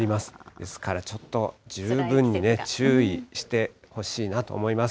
ですからちょっと十分に注意してほしいなと思います。